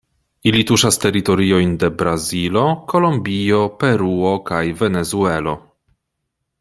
Ili tuŝas teritoriojn de Brazilo, Kolombio, Peruo kaj Venezuelo.